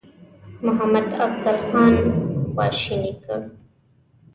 محمدافضل خان خواشینی کړ.